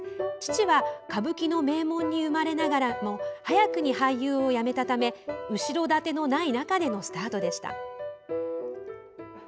父は、歌舞伎の名門に生まれながらも早くに俳優を辞めたため後ろ盾のない中でのスタートでした。